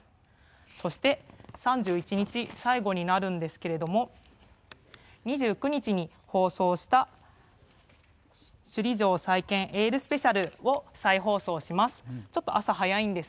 そして、３１日最後になるんですけれども２９日に放送した「首里城再建エールＳＰ」を再放送します。